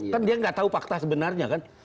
kan dia nggak tahu fakta sebenarnya kan